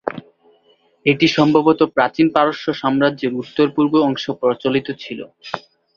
এটি সম্ভবত প্রাচীন পারস্য সাম্রাজ্যের উত্তর-পূর্ব অংশে প্রচলিত ছিল।